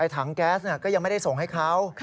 ถังแก๊สก็ยังไม่ได้ส่งให้เขา